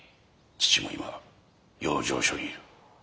父も今養生所にいる。